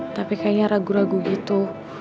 tapi kayaknya ragu ragu gitu